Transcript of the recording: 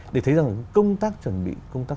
để thấy rằng công tác chuẩn bị công tác